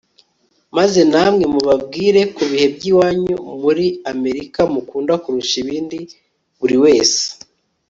maze namwe mubabwire ku bihe by'iwanyu muri amerika mukunda kurusha ibindi. buri wese